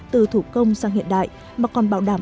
từ thủ công sang hiện đại mà còn bảo đảm